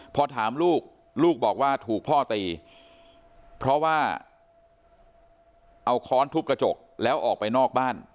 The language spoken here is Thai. พอถามลูกลูกบอกว่าถูกพ่อตีเพราะว่าเอาค้อนทุบกระจกแล้วออกไปนอกบ้าน